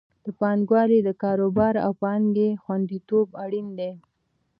د پانګوالو د کاروبار او پانګې خوندیتوب اړین دی.